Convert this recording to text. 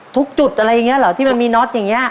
ทุกจุดอะไรอย่างนี้เหรอที่มันมีน็อตอย่างนี้